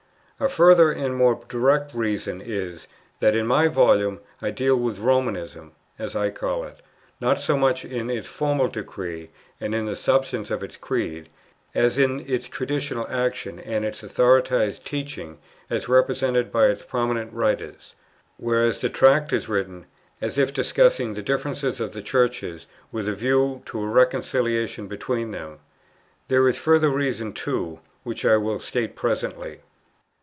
A further and more direct reason is, that in my Volume I deal with "Romanism" (as I call it), not so much in its formal decrees and in the substance of its creed, as in its traditional action and its authorized teaching as represented by its prominent writers; whereas the Tract is written as if discussing the differences of the Churches with a view to a reconciliation between them. There is a further reason too, which I will state presently.